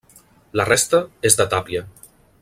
La resta és de tàpia.